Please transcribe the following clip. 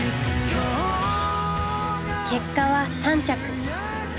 結果は３着。